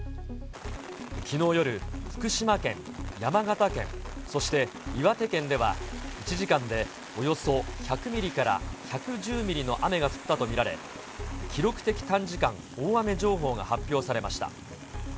きのう夜、福島県、山形県、そして岩手県では、１時間でおよそ１００ミリから１１０ミリの雨が降ったと見られ、記録的短時間大雨情報が発表されました。